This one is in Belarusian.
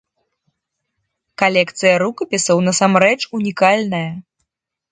Калекцыя рукапісаў насамрэч унікальная.